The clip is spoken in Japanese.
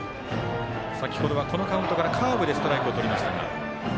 先ほどはこのカウントからカーブでストライクを取りました。